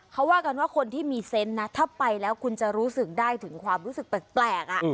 เขาว่ากันว่าคนที่มีเซนต์นะถ้าไปแล้วคุณจะรู้สึกได้ถึงความรู้สึกแปลก